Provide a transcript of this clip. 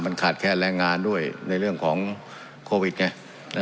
มันขาดแค่แรงงานด้วยในเรื่องของโควิดไง